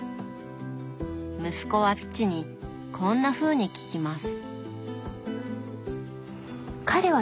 息子は父にこんなふうに聞きます。